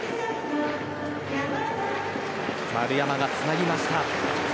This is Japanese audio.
丸山がつなぎました。